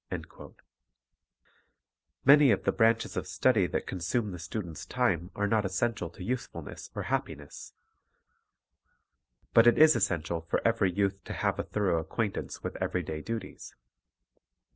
1 Many of the branches of study that consume the student's time are not essential to usefulness or hap piness; but it is essential for eveiy youth to have a thorough acquaintance with every day duties.